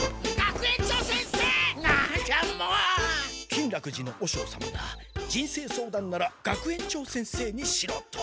金楽寺の和尚様が人生相談なら学園長先生にしろと。